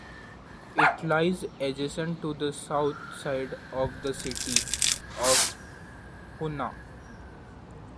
It lies adjacent to the south side of the city of Hoonah.